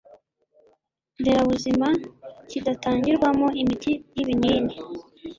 nderabuzima kidatangirwamo imiti y’ibinini,